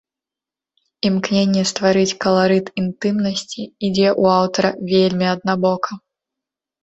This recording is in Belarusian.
Імкненне стварыць каларыт інтымнасці ідзе ў аўтара вельмі аднабока.